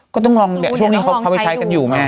ก็ต้องลองช่วงนี้เขาไปใช้กันอยู่ไง